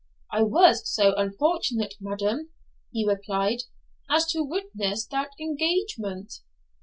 'I was so unfortunate, madam,' he replied, 'as to witness that engagement.'